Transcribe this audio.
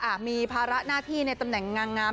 อ่ะมีภาระหน้าที่ในตำแหน่งงาม